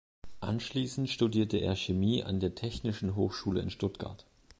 Anschließend studierte er Chemie an der Technischen Hochschule in Stuttgart.